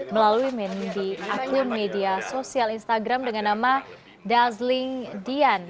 melalui meme di akun media sosial instagram dengan nama dazling dian